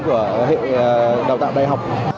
của hệ đào tạo đại học